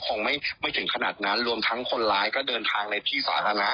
คงไม่ถึงขนาดนั้นรวมทั้งคนร้ายก็เดินทางในที่สาธารณะ